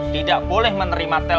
tidak boleh menerima telpon